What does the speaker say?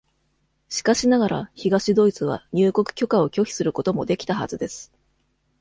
しかしながら、東ドイツは入国許可を拒否することもできたはずです。